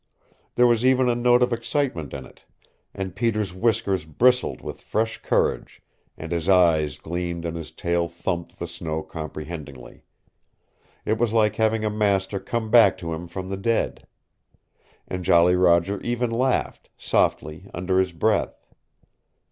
There was even a note of excitement in it, and Peter's whiskers bristled with fresh courage and his eyes gleamed and his tail thumped the snow comprehendingly. It was like having a master come back to him from the dead. And Jolly Roger even laughed, softly, under his breath.